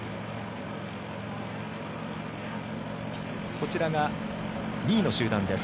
こちらが２位の集団です。